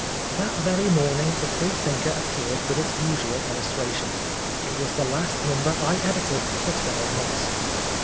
That very morning the Freethinker appeared with its usual illustration. It was the last number I edited for twelve months.